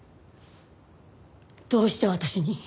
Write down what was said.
どうして私に？